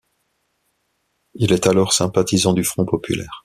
Il est alors sympathisant du Front Populaire.